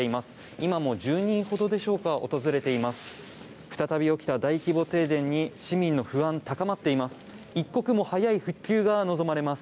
今も１０人ほどでしょうか訪れています。